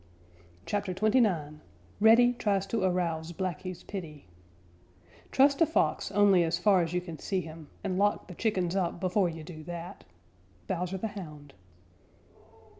CHAPTER XXIX REDDY TRIES TO AROUSE BLACKY'S PITY Trust a Fox only as far as you can see him, and lock the chickens up before you do that. _Bowser the Hound.